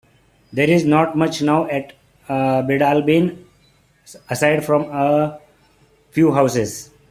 There is not much now at Breadalbane aside from a few houses.